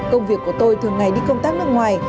công việc của tôi thường ngày đi công tác nước ngoài